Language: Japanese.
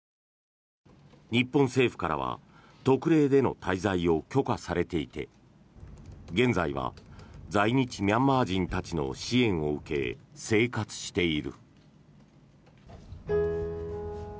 日本政府からは特例での滞在を許可されていて現在は在日ミャンマー人たちの支援を受け、生活している。